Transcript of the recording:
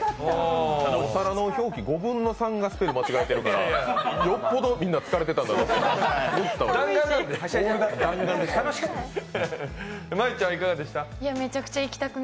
お皿の表記、５分の３、間違えてるからよっぽどみんな疲れてたんだな。